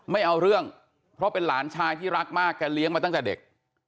ไม่เอาเรื่องเพราะเป็นหลานชายที่รักมากแกเลี้ยงมาตั้งแต่เด็ก